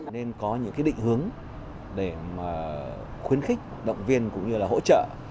nên có những định hướng để mà khuyến khích động viên cũng như là hỗ trợ